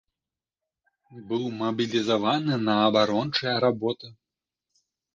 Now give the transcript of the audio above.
Быў мабілізаваны на абарончыя работы.